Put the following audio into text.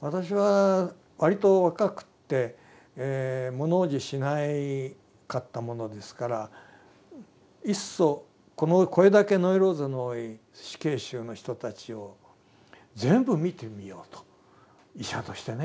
私はわりと若くって物おじしなかったものですからいっそこれだけノイローゼの多い死刑囚の人たちを全部診てみようと医者としてね。